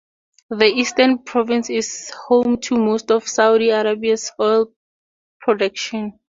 The Eastern Province is home to most of Saudi Arabia's oil production.